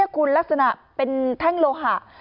คุณลักษณะเป็นแท่งโลหะ